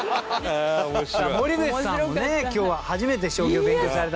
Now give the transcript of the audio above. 森口さんもね今日は初めて将棋を勉強された。